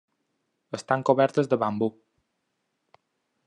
Estan cobertes de bambú.